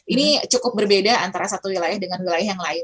ini cukup berbeda antara satu wilayah dengan wilayah yang lain